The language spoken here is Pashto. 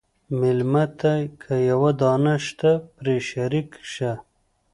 مېلمه ته که یوه دانه شته، پرې شریک شه.